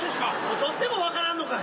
取っても分からんのかい。